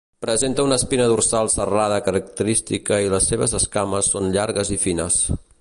Presenta una espina dorsal serrada característica i les seves escames són llargues i fines.